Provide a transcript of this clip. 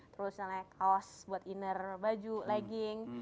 terus kayak kaos buat inner baju legging